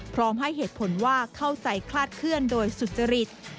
พร้อมให้เหตุผลว่าเข้าใจคลาดเคลื่อนโดยสุจริต